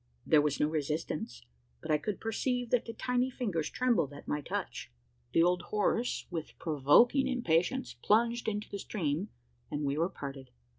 There was no resistance; but I could perceive that the tiny fingers trembled at my touch. The old horse, with provoking impatience, plunged into the stream; and we were parted.